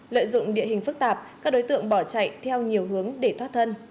lợi dụng địa hình phức tạp các đối tượng bỏ chạy theo nhiều hướng để thoát thân